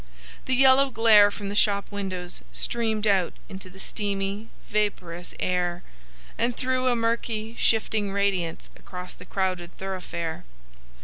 The yellow glare from the shop windows streamed out into the steamy, vaporous air, and threw a murky, shifting radiance across the crowded thoroughfare.